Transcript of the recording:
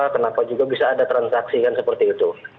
kenapa juga bisa ada transaksi kan seperti itu